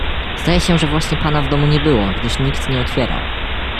"Zdaje się, że właśnie pana w domu nie było, gdyż nikt nie otwierał."